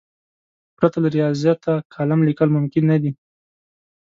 پرته له ریاضته کالم لیکل ممکن نه دي.